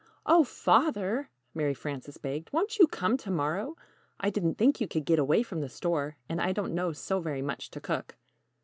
"Oh, Father," Mary Frances begged, "won't you come to morrow? I didn't think you could get away from the store, and I don't know so very much to cook."